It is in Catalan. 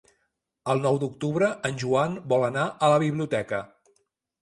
El nou d'octubre en Joan vol anar a la biblioteca.